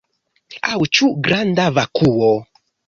Aŭ ĉu granda vakuo?